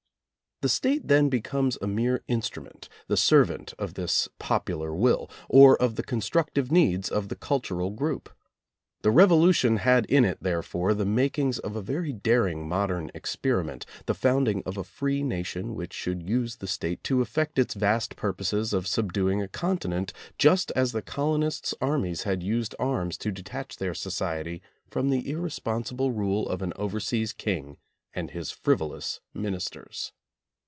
The State then becomes a mere instrument, the servant of this popular will, or of the constructive needs of the cultural group. The Revolution had in it, therefore, the makings of a very daring modern experiment — the founding of a free nation which should use the State to effect its vast purposes of subduing a continent just as the colonists' armies had used arms to detach their society from the irresponsible rule of an overseas king and his frivolous ministers.